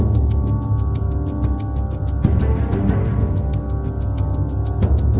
โปรดติดตามตอนต่อไป